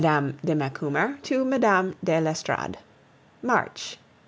MME. DE MACUMER TO MME. DE L'ESTORADE March 1826.